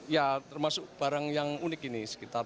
ya termasuk barang yang unik ini sekitar delapan puluh